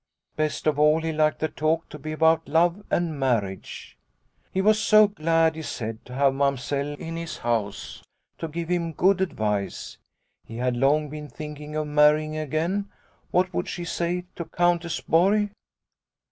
Best of all he liked the talk to be about love and marriage. "' He was so glad,' he said, * to have Mam sell in his house to give him good advice. He had long been thinking of marrying again. What would she say to Countess Borg ?